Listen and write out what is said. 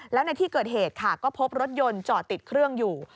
แล้วในที่เกิดเหตุค่ะก็พบรถยนต์จอดติดเครื่องอยู่